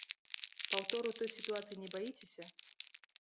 Паўтору той сітуацыі не баіцеся?